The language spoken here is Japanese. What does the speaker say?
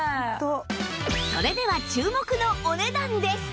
それでは注目のお値段です！